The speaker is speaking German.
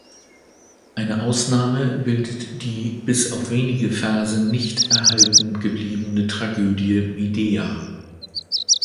Eine Ausnahme bildet die bis auf wenige Verse nicht erhalten gebliebene Tragödie "Medea".